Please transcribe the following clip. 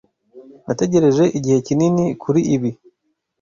Nategereje igihe kinini kuri ibi.